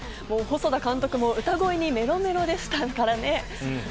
細田監督も歌声にメロメロでしたからね。